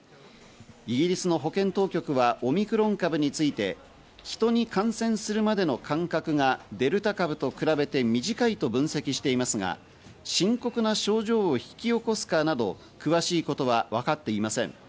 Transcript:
イギリスの保健当局はオミクロン株について、人に感染するまでの間隔がデルタ株と比べて短いと分析していますが、深刻な症状を引き起こすかなど詳しいことはわかっていません。